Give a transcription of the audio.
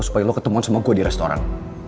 supaya lo ketemuan semua gue di restoran